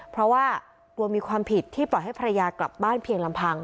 เพราะว่ากลัวมีความผิดที่ปล่อยให้ภรรยากลับบ้านเพียงลำพัง